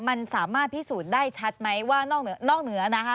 มันสามารถพิสูจน์ได้ชัดไหมว่านอกเหนือนอกเหนือนะคะ